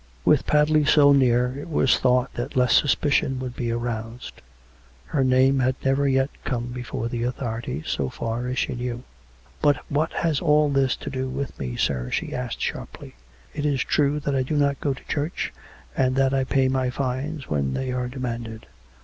With Padley so near it was thought that less suspicion would be aroused. Her name had never yet come before the authorities, so far as she knew. " But what has all this to do with me, sir? " she asked sharply. " It is true that I do not go to church, and that I pay my fines when they are demanded.